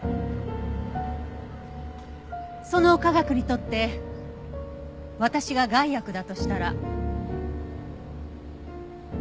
その科学にとって私が害悪だとしたら？